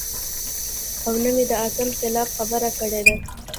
او نۀ مې د اتڼ خلاف خبره کړې ده -